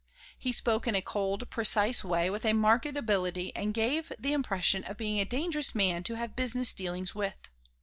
He spoke in a cold, precise way, with a marked ability and gave the impression of being a dangerous man to have business dealings with.